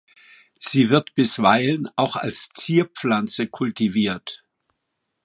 Sie wird bisweilen auch als Zierpflanze kultiviert.